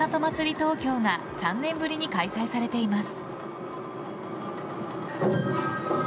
東京が３年ぶりに開催されています。